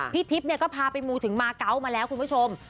ทิพย์ก็พาไปมูถึงมาเกาะมาแล้วคุณผู้ชม